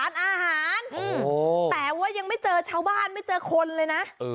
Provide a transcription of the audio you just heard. แต่ว่ายังไม่เจอชาวบ้านไม่เจอคนเลยนะ